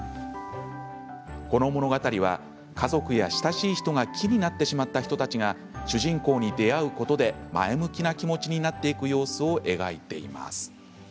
この物語は家族や親しい人が木になってしまった人たちが主人公に出会うことで前向きな気持ちになっていく様子を描いています。